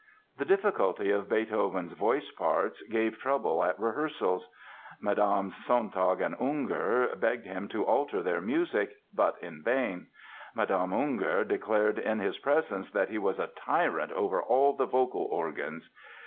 The difficulty of Beethoven's voice parts gave trouble at rehearsals. Mmes. Sontag and Unger begged him to alter their music, but in vain. Mme. Unger declared in his presence that he was a "tyrant over all the vocal organs."